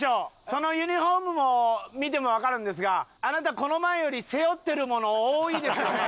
そのユニホームも見てもわかるんですがあなたこの前より背負ってるもの多いですよね？